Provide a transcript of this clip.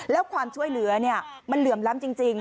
แล้วความช่วยเหลือมันเหลื่อมล้ำจริง